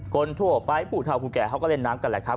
คนทั่วไปผู้เท่าผู้แก่เขาก็เล่นน้ำกันแหละครับ